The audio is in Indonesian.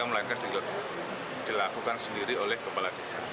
melainkan dilakukan sendiri oleh kepala desa